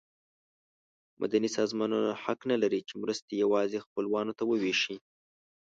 مدني سازمانونه حق نه لري چې مرستې یوازې خپلوانو ته وویشي.